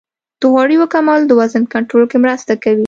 د غوړیو کمول د وزن کنټرول کې مرسته کوي.